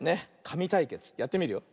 かみたいけつやってみるよ。